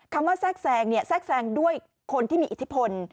คำว่าแทรกแซงเนี่ยแทรกแทรงด้วยคนที่มีอิทธิพล